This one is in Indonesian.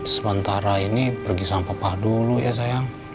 sementara ini pergi sama papa dulu ya sayang